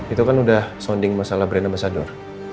itu kan sudah sounding masalah brand ambassador